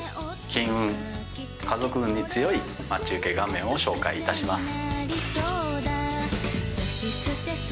金運家族運に強い待ち受け画面を紹介いたします。